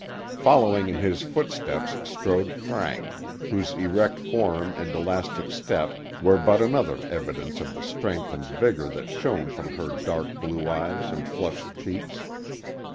Following in his footsteps strode Frank. whose erect form and elastic step were but another evidence of the strength and vigor that shone from her dark blue eyes and flushed cheeks.